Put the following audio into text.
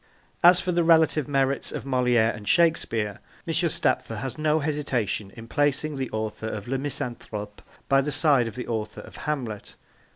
As for the relative merits of Moliere and Shakespeare, M. Stapfer has no hesitation in placing the author of Le Misanthrope by the side of the author of Hamlet.